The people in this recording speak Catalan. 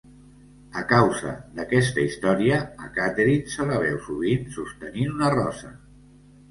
A causa d'aquesta història, a Catherine se la veu sovint sostenint una rosa.